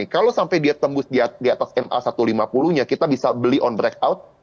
kalau sampai dia tembus di atas ma satu ratus lima puluh nya kita bisa beli on break out